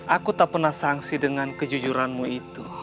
aku tak pernah sangsi dengan kejujuranmu itu